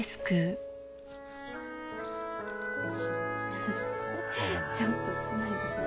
フフッちょっと少ないですね。